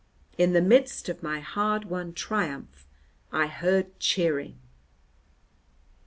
In the midst of my hard won triumph I heard cheering.